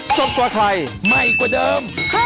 โปรดติดตามตอนต่อไป